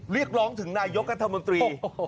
เรียกร้องถึงนายกรัฐมนตรี